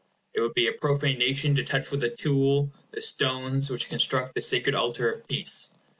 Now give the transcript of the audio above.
It would be a profanation to touch with a tool the stones which construct the sacred altar of peace.